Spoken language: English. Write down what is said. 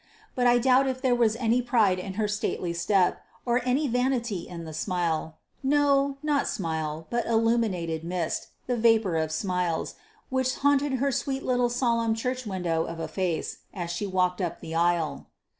But I doubt if there was any pride in her stately step, or any vanity in the smile no, not smile, but illuminated mist, the vapour of smiles, which haunted her sweet little solemn church window of a face, as she walked up the aisle.